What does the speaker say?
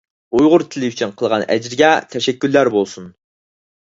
ئۇيغۇر تىلى ئۈچۈن قىلغان ئەجرىگە تەشەككۈرلەر بولسۇن!